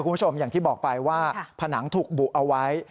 คุณผู้ชมอย่างที่บอกไปว่าผนังถูกบุเอาไว้